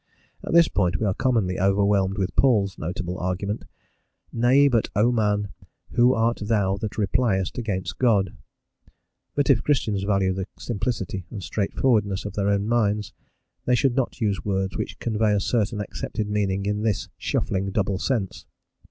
At this point we are commonly overwhelmed with Paul's notable argument "Nay, but, O man, who art thou that repliest against God?" But if Christians value the simplicity and straightforwardness of their own minds, they should not use words which convey a certain accepted meaning in this shuffling, double sense.